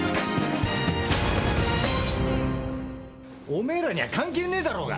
おめえらには関係ねえだろうが！